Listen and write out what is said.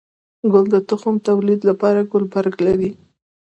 گل د تخم توليد لپاره ګلبرګ لري